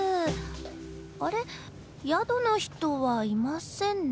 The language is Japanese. あれ宿の人はいませんね。